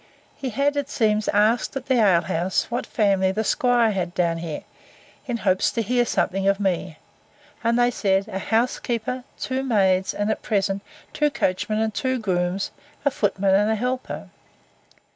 He had, it seems, asked, at the alehouse, what family the 'squire had down here, in hopes to hear something of me: And they said, A housekeeper, two maids, and, at present, two coachmen, and two grooms, a footman, and a helper.